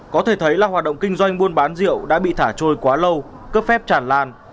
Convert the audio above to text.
có thể thấy là hoạt động kinh doanh buôn bán rượu đã bị thả trôi quá lâu cấp phép chản lan